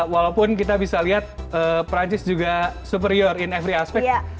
walaupun kita bisa lihat perancis juga superior in every aspek